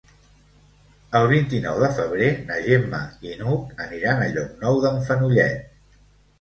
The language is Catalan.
El vint-i-nou de febrer na Gemma i n'Hug aniran a Llocnou d'en Fenollet.